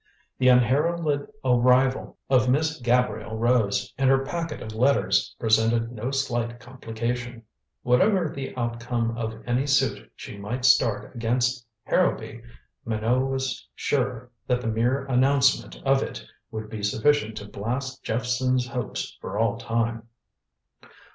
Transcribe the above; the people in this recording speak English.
The unheralded arrival of Miss Gabrielle Rose and her packet of letters presented no slight complication. Whatever the outcome of any suit she might start against Harrowby, Minot was sure that the mere announcement of it would be sufficient to blast Jephson's hopes for all time.